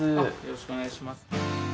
よろしくお願いします。